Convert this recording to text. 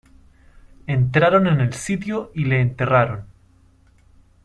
Entraron en el sitio y le enterraron.